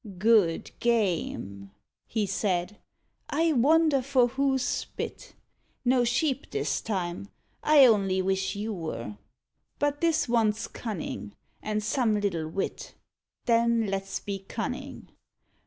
"Good game!" he said; "I wonder for whose spit? No sheep this time I only wish you were. But this wants cunning, and some little wit: Then let's be cunning."